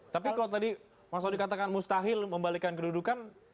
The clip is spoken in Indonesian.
tapi kalau tadi maksudnya dikatakan mustahil membalikkan kedudukan